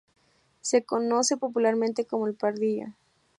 Se conoce popularmente como "El Pardillo".